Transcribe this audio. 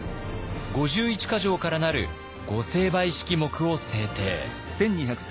５１か条からなる御成敗式目を制定。